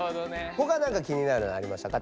ほかなんか気になるのありましたか？